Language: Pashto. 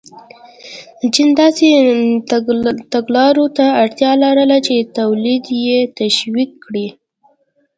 چین داسې تګلارو ته اړتیا لرله چې تولید یې تشویق کړي.